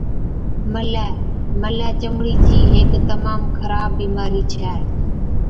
ملَی Eczema, ملَي چمڙِي چِي هيڪ تمام خراب بِيمارِي ڇَي۔